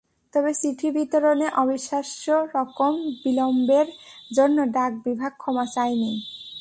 তবে চিঠি বিতরণে অবিশ্বাস্য রকম বিলম্বের জন্য ডাক বিভাগ ক্ষমা চায়নি।